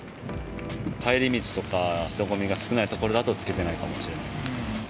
帰り道とか人混みが少ないところだと着けてないかもしれないです。